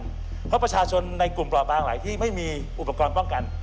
เพราะประชาชนในกลุ่มปลอบบางหลายที่ไม่มีอุปกรณ์ป้องกัน